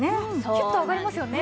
キュッと上がりますよね。